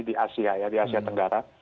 di asia tenggara